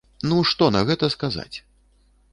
Ну, што на гэта сказаць?